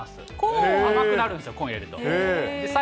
甘くなるんですよ、コーン入れると。